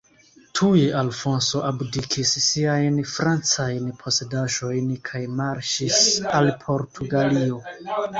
Tuje Alfonso abdikis siajn francajn posedaĵojn kaj marŝis al Portugalio.